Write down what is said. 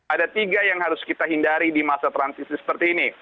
ada tiga yang harus kita hindari di masa transisi seperti ini